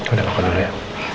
udah makan dulu ya